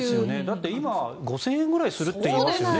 だって今５０００円ぐらいするっていいますよね。